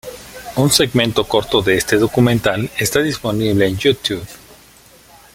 Un segmento corto de este documental está disponible en YouTube.